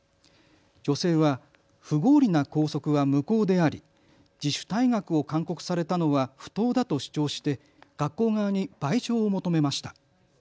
女性は不合理な校則は無効であり自主退学を勧告されたのは不当だと主張して学校側に賠償を求めました。